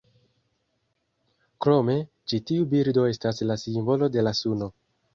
Krome, ĉi tiu birdo estas la simbolo de la suno.